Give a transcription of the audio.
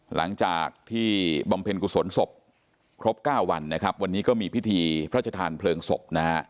หลังจากที่บำเพ็ญกุศลศพครบ๙วันวันนี้ก็มีพิธีพระจฐานเพลิงศพ